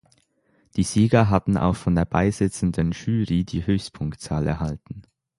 Die Sieger hatten auch von der beisitzenden Jury die Höchstpunktzahl erhalten.